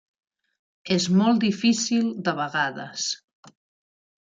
És molt difícil de vegades.